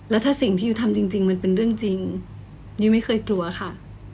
แล้วถ้าสิ่งที่ยูทำจริงมันเป็นเรื่องจริงยุ้ยไม่เคยกลัวค่ะ